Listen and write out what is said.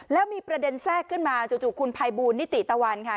แล้วมีประเด็นแทรกขึ้นมาจู่คุณภัยบูลนิติตะวันค่ะ